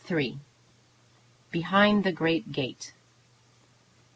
BEHIND THE GREAT GATE.